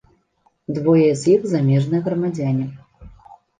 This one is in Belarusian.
Двое з іх замежныя грамадзяне.